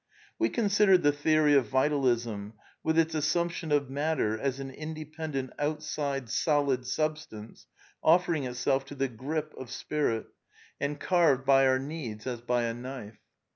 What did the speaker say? ^ We considered the theory of Vitalism, with its assump ^ tion of Matter as an independent outside solid substance offering itself to the " grip " of Spirit and carved by our ^ SOME QUESTIONS OF PSYCHOLOGY 71 needs as by a knife.